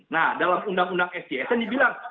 nah dalam undang undang sjsn dibilang